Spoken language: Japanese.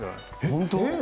本当？